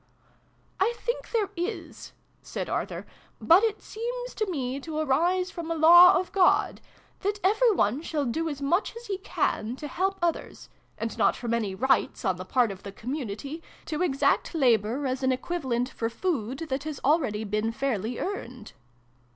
" I think there is" said Arthur : "but it seems to me to arise from a Law of God that every one shall do as much as he can to help others and not from any rights, on the part of the community, to exact labour as an equivalent for food that has already been fairly earned."